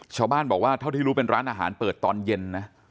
ชาวบ้านบอกว่าเท่าที่รู้เป็นร้านอาหารเปิดตอนเย็นนะ